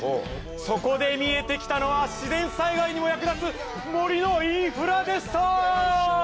そこで見えてきたのは自然災害にも役立つ森のインフラでした！